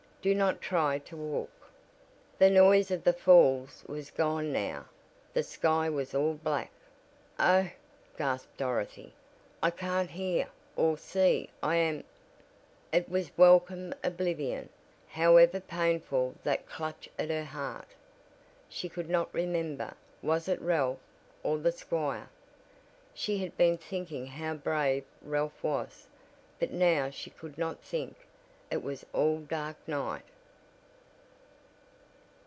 Do not try to walk." The noise of the falls was gone now the sky was all black. "Oh," gasped Dorothy, "I can't hear, or see, I am " It was welcome oblivion, however painful that clutch at her heart. She could not remember was it Ralph, or the squire? She had been thinking how brave Ralph was But now she could not think, it was all dark night!